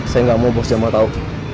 saya gak mau bos jamal tau